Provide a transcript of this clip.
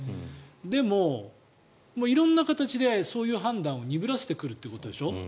でも、色んな形でそういう判断を鈍らせてくるということでしょ。